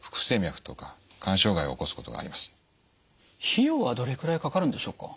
費用はどれくらいかかるんでしょうか？